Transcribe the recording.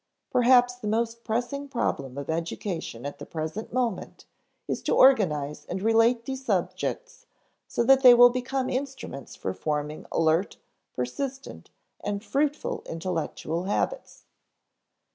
Perhaps the most pressing problem of education at the present moment is to organize and relate these subjects so that they will become instruments for forming alert, persistent, and fruitful intellectual habits.